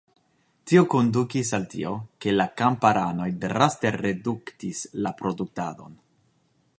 Tio kondukis al tio, ke la kamparanoj draste reduktis la produktadon.